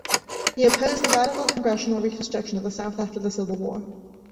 He opposed the radical congressional Reconstruction of the South after the Civil War.